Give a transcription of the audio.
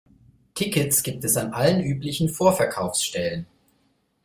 Tickets gibt es an allen üblichen Vorverkaufsstellen.